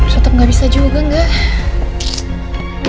tetep gak bisa juga gak